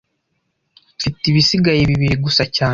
Mfite ibisigaye bibiri gusa cyane